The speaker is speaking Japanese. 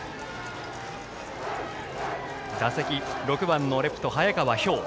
打席、６番のレフト、早川飛翔。